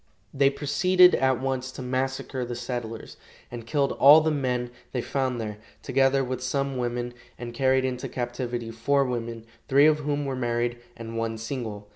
They proceeded at once to massacre the settlers, and killed all the men they found there, together with some women, and carried into captivity four women, three of whom were married and one single.